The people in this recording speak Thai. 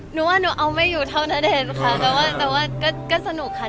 หนูว่าหนูเอาไม่อยู่เท่านั้นเองค่ะแต่ว่าก็สนุกค่ะ